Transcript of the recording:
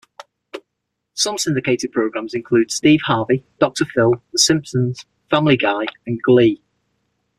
Some syndicated programs include "Steve Harvey", "Doctor Phil", "The Simpsons", "Family Guy", and "Glee".